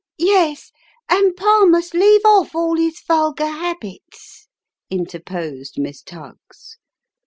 " Yes, and Pa must leave off all his vulgar habits," interposed Miss Tuggs.